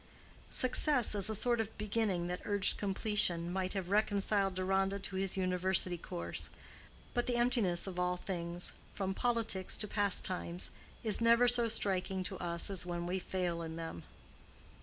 Success, as a sort of beginning that urged completion, might have reconciled Deronda to his university course; but the emptiness of all things, from politics to pastimes, is never so striking to us as when we fail in them.